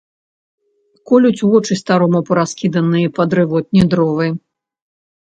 Колюць вочы старому параскіданыя па дрывотні дровы.